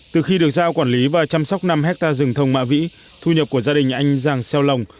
từ khi được giao quản lý và chăm sóc năm ha rừng thông mã vĩ thu nhập của gia đình anh giang xeo lòng